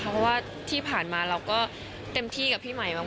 เพราะว่าที่ผ่านมาเราก็เต็มที่กับพี่ใหม่มาก